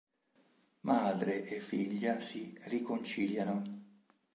Madre e figlia si riconciliano.